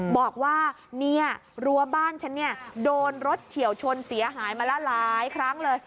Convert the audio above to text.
บอกว่ารัวบ้านฉันโดนรถเฉียวชนเสียหายมาละหลายครั้งเลย